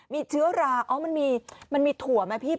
มีเชื้อรามันมีถั่วไหมพี่